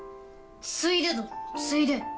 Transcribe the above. ついでぞついで。